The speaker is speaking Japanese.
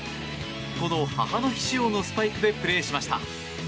この母の日仕様のスパイクでプレーしました。